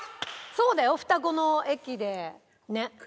そうだよ二子の駅で。